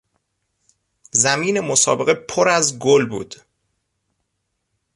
زمین مسابقه پر از گل بود.